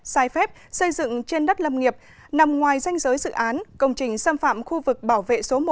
sai phép xây dựng trên đất lâm nghiệp nằm ngoài danh giới dự án công trình xâm phạm khu vực bảo vệ số một